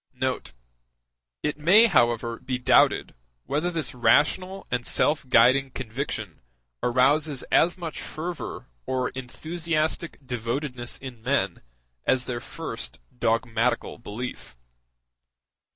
*c c [ It may, however, be doubted whether this rational and self guiding conviction arouses as much fervor or enthusiastic devotedness in men as their first dogmatical belief.